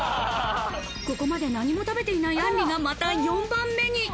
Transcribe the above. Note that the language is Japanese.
ここまで何も食べていないあんりがまた４番目に。